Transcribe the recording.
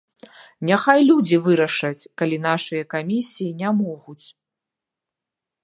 Няхай людзі вырашаць, калі нашыя камісіі не могуць!